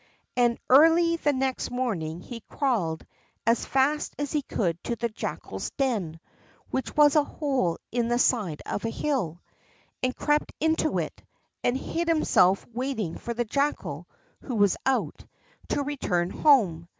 And early the next morning he crawled as fast as he could to the Jackal's den (which was a hole in the side of a hill) and crept into it, and hid himself, waiting for the Jackal, who was out, to return home.